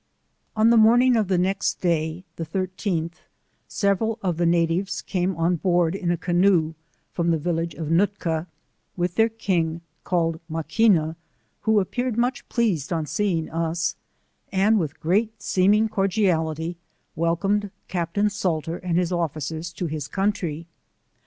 On the morning of the next day, the 13th, seve ral of the natives came on board in a canoe from the village of Nootka, with their king, called Maquina, who appeared much pleased on seeing OS, and with great seeming cordjality, welcomed Captain Salter and his officers to his country.